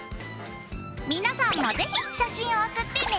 皆さんも是非写真を送ってね！